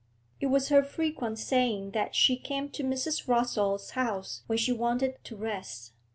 It was her frequent saying that she came to Mrs. Rossall's house when she wanted to rest.